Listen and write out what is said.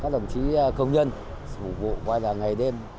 tổng chí công nhân phục vụ quay lại ngày đêm